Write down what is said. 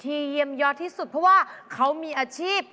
เยี่ยมยอดที่สุดเพราะว่าเขามีอาชีพ